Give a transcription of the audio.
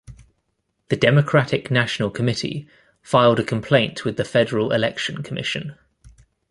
The Democratic National Committee filed a complaint with the Federal Election Commission.